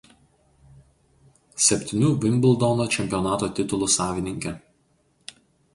Septynių Vimbldono čempionato titulų savininkė.